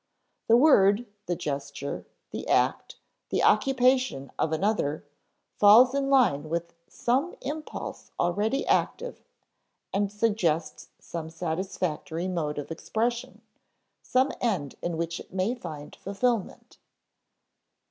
The word, the gesture, the act, the occupation of another, falls in line with some impulse already active and suggests some satisfactory mode of expression, some end in which it may find fulfillment.